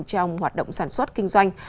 trong hoạt động sản xuất kinh doanh